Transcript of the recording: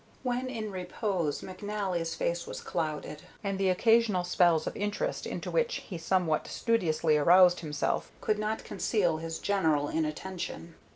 When in repose McNally's face was clouded, and the occasional spells of interest into which he somewhat studiously aroused himself could not conceal his general inattention.